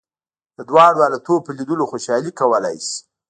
د دواړو حالتونو په لیدلو خوشالي کولای شې.